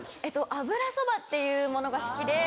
油そばっていうものが好きで。